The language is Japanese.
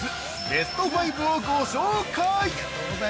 ベスト５」をご紹介！